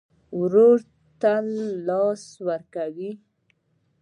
ورور ته تل لاس ورکوې.